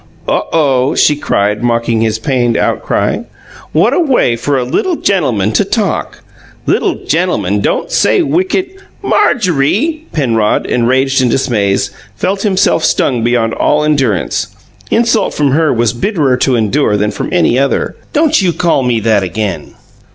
"Oh, OH!" she cried, mocking his pained outcry. "What a way for a LITTLE GENTLEMAN to talk! Little gentleman don't say wicked " "Marjorie!" Penrod, enraged and dismayed, felt himself stung beyond all endurance. Insult from her was bitterer to endure than from any other. "Don't you call me that again!"